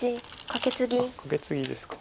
カケツギですか。